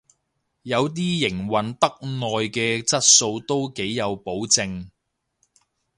有啲營運得耐嘅質素都幾有保證